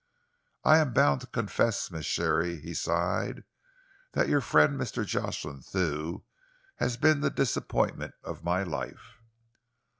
"I am bound to confess, Miss Sharey," he sighed, "that your friend Mr. Jocelyn Thew has been the disappointment of my life."